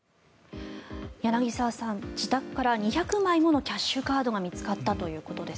柳澤さん、自宅から２００枚ものキャッシュカードが見つかったということです。